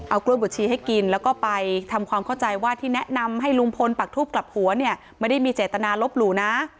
เอากล้วยบดชีให้กินแล้วก็ไปทำความเข้าใจว่าที่แนะนำให้ลุงพลปักทูบกลับหัวเนี่ยไม่ได้มีเจตนาลบหลู่นะ